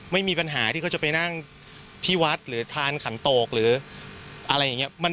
ไม่มีปัญหาที่เขาจะไปนั่งที่วัดหรือทานขันโตกหรืออะไรอย่างนี้